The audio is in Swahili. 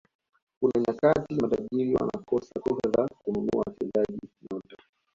kuna nyakati matajiri wanakosa pesa za kununua wachezaji nyota